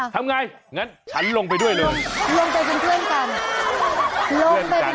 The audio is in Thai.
ทำไงงั้นฉันลงไปด้วยเลยลงไปเป็นเพื่อนกันลงไปเลย